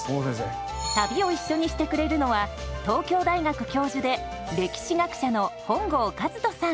旅を一緒にしてくれるのは東京大学教授で歴史学者の本郷和人さん。